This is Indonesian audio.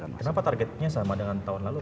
kenapa targetnya sama dengan tahun lalu